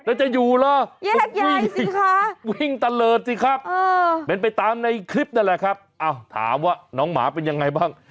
น่าจะอยู่หรือวิ่งตะเลิศสิครับแม่นไปตามในคลิปนั่นแหละครับเอ้าถามว่าน้องหมาเป็นยังไงบ้าง